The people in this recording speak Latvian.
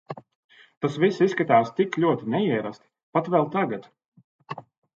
Tas viss izskatās tik ļoti neierasti, pat vēl tagad.